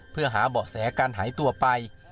เพื่อหาเบาะแสการหายตัวไป